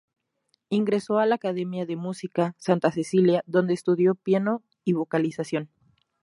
Ingresó a la Academia de Música Santa Cecilia, donde estudió piano y vocalización.